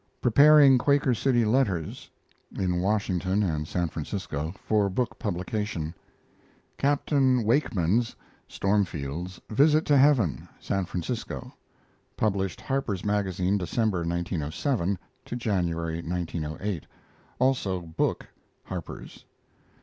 Preparing Quaker City letters (in Washington and San Francisco) for book publication. CAPTAIN WAKEMAN'S (STORMFIELD'S) VISIT TO HEAVEN (San Francisco), published Harper's Magazine, December, 1907 January, 1908 (also book, Harpers).